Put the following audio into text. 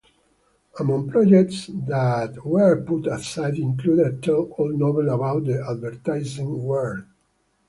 Among projects that were put aside include a tell-all novel about the advertising world.